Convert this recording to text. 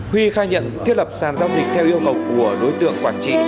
huy khai nhận thiết lập sàn giao dịch theo yêu cầu của đối tượng quản trị